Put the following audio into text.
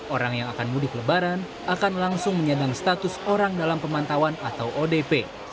orang yang akan mudik lebaran akan langsung menyadang status orang dalam pemantauan atau odp